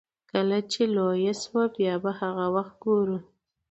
کله چې لويه شوه بيا به هغه وخت ګورو.